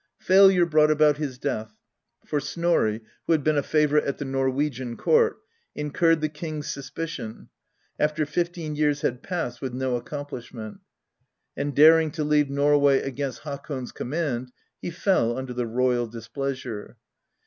Failure brought about his death, for Snorri, who had been a favorite at the Norwegian court, incurred the King's suspicion after fifteen years had passed with no accom plishment; and daring to leave Norway against Hakon's command, he fell under the royal displeasure.